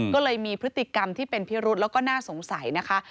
ก็เลยมีพฤติกรรมที่เป็นพิรุธแล้วก็น่าสงสัยนะคะ